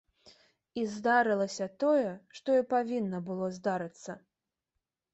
І здарылася тое, што і павінна было здарыцца.